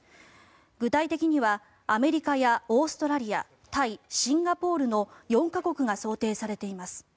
具体的にはアメリカやオーストラリアタイ、シンガポールの４か国が想定されています。